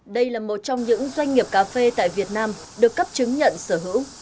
đây là một trong những doanh nghiệp cà phê tại việt nam được cấp chứng nhận sở hữu